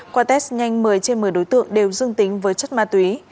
qua test nhanh một mươi trên một mươi đối tượng đều dương tính với chất ma túy